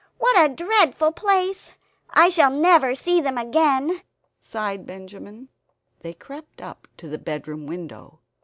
What a dreadful place; I shall never see them again!" sighed Benjamin. They crept up to the bedroom window.